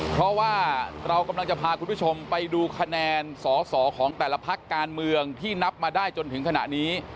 เพราะว่าเรากำลังจะพาคุณผู้ชมไปดูคะแนนสอสอของแต่ละพักการเมืองที่นับมาได้จนถึงขณะนี้